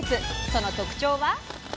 その特徴は。